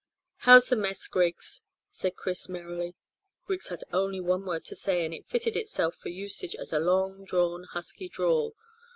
"How's the mess, Griggs?" said Chris merrily. Griggs had only one word to say, and it fitted itself for usage as a long drawn husky drawl.